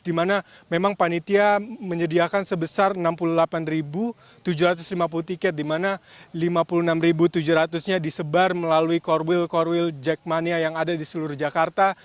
di mana memang panitia menyediakan sebesar enam puluh delapan tujuh ratus lima puluh tiket di mana lima puluh enam tujuh ratus nya disebar melalui core will core will jackmania yang ada di seluruh jakarta